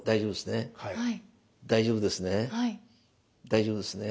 大丈夫ですね？